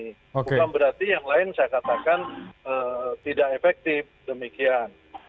bukan berarti yang lain saya katakan tidak efektif demikian